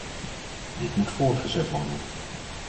Dit moet voortgezet worden.